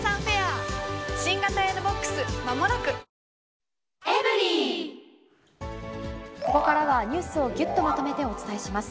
いいじゃないだってここからは、ニュースをぎゅっとまとめてお伝えします。